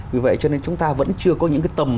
vì vậy cho nên chúng ta vẫn chưa có những cái tầm